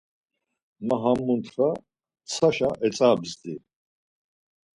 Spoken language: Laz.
Ma ham muntxa ntsaşa etzabzdii?